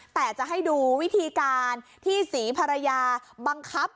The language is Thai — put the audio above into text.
แต่จะให้ดูวิธีการที่ศรีภรรยาบังคับ